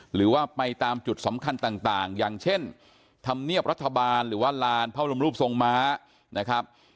หรือว่าไปตามจุดสำคัญต่างอย่างเช่นธรรมเนียบรัฐบาลหรือว่าลานพระบรมรูปทรงม้านะครับ